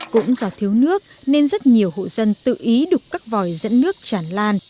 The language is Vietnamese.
cũng do thiếu nước nên rất nhiều hộ dân tự ý đục các vòi dẫn nước chản lan